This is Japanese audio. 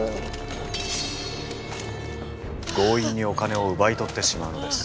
強引にお金を奪い取ってしまうのです。